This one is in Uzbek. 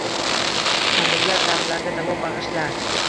Tabiblar dardlarga davo bag’ishlar